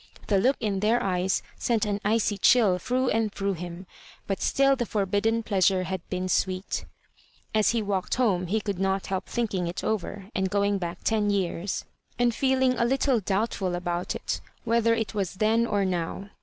The look in their eyes sent an icy chill through and through him, but still the fwbidden pleasure had been sweet. As he walked home, he could not help thinking it over, and going back ten years, and feeling a Digitized by VjOOQIC MISS MABJOBIBANKa 163 little doubtful about it, whether it was then or now.